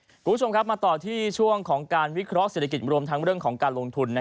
คุณผู้ชมครับมาต่อที่ช่วงของการวิเคราะห์เศรษฐกิจรวมทั้งเรื่องของการลงทุน